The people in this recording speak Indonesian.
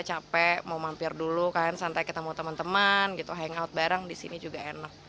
capek mau mampir dulu santai ketemu teman teman hangout bareng disini juga enak